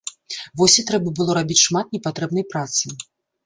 Вось і трэба было рабіць шмат непатрэбнай працы.